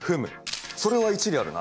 それは一理あるな。